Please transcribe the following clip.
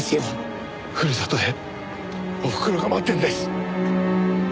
ふるさとでおふくろが待ってるんです！